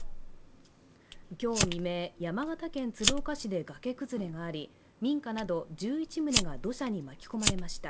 今日未明、山形県鶴岡市で崖崩れがあり民家など１１棟が土砂に巻き込まれました。